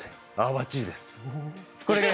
ばっちりですね。